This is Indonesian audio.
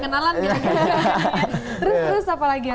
terus terus apa lagi